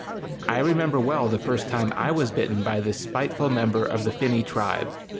I remember well the first time I was bitten by this spiteful member of the finny tribe.